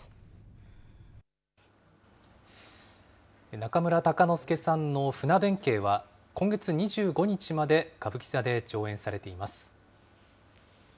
中村鷹之資さんの船弁慶は、今月２５日まで歌舞伎座で上演されています。